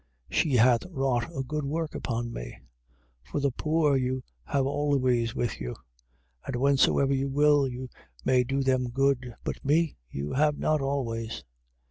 She hath wrought a good work upon me. 14:7. For the poor you have always with you: and whensoever you will, you may do them good: but me you have not always.